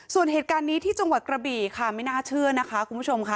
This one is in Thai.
ส่วนเหตุการณ์นี้ที่จังหวัดกระบี่ค่ะไม่น่าเชื่อนะคะคุณผู้ชมค่ะ